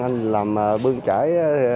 anh làm bương trải